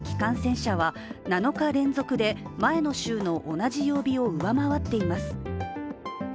厚生労働省が発表した全国の新規感染者は７日連続で前の週の同じ曜日を上回っています。